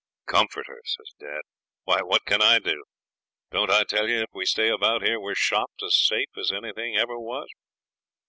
'Comfort her!' says dad; 'why, what can I do? Don't I tell you if we stay about here we're shopped as safe as anything ever was?